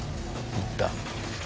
行った。